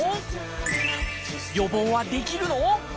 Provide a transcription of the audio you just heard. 予防はできるの？